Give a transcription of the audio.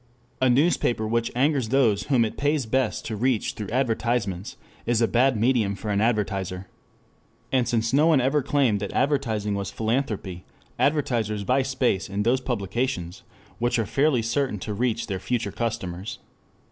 A newspaper which angers those whom it pays best to reach through advertisements is a bad medium for an advertiser. And since no one ever claimed that advertising was philanthropy, advertisers buy space in those publications which are fairly certain to reach their future customers.